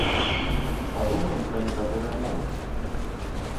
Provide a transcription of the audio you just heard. Падумаем пра некаторыя моманты.